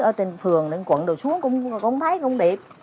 ở trên phường quận đồ xuống cũng thấy cũng đẹp